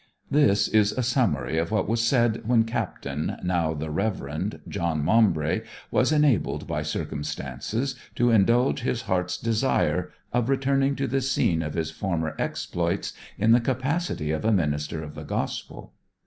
This is a summary of what was said when Captain, now the Reverend, John Maumbry was enabled by circumstances to indulge his heart's desire of returning to the scene of his former exploits in the capacity of a minister of the Gospel.